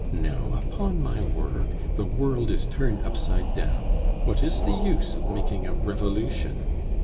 No, upon my word, the world is turned upside down; what is the use of making a Revolution?